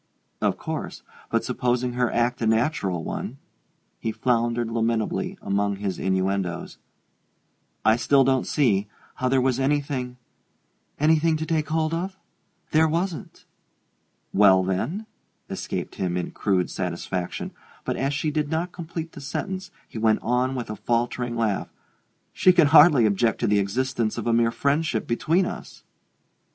"Of course but supposing her act a natural one " he floundered lamentably among his innuendoes "I still don't see how there was anything " "Anything to take hold of? There wasn't " "Well, then ?" escaped him, in crude satisfaction; but as she did not complete the sentence he went on with a faltering laugh: "She can hardly object to the existence of a mere friendship between us!"